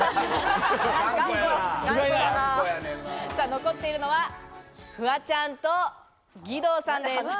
残っているのはフワちゃんと義堂さんです。